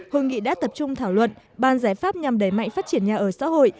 hội nghị đã tập trung thảo luận bàn giải pháp nhằm đẩy mạnh phát triển nhà ở xã hội